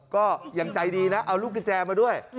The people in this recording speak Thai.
ก็ยังใจดีนะเอาลูกกุญแจมาด้วย